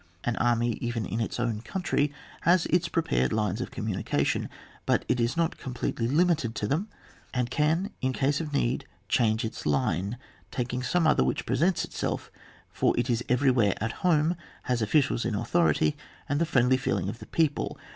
An army, even in its own country, has its prepared lines of communication, but it is not completely limited to them, and can in case of need change its line, taking some other which presents itself, for it is every where at home, has officials in authority, and the friendly feeling of the people.